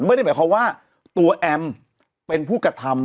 ไม่ได้หมายความว่าตัวแอมเป็นผู้กระทำ